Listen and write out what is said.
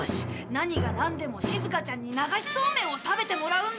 何がなんでもしずかちゃんに流しそうめんを食べてもらうんだ！